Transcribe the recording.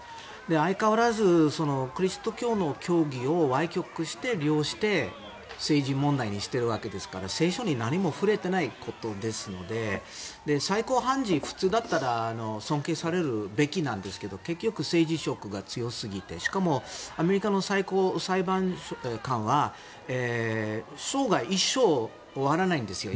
相変わらずキリスト教の教義をわい曲して利用して政治問題にしているわけですから聖書に何も触れていないことですので最高判事、普通だったら尊敬されるべきなんですけど結局、政治色が強すぎてしかもアメリカの最高裁判官は一生涯、終わらないんですよ